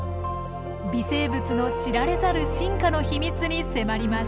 微生物の知られざる進化の秘密に迫ります。